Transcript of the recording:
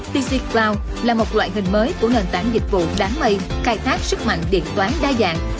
pc cloud là một loại hình mới của nền tảng dịch vụ đáng mây khai thác sức mạnh điện toán đa dạng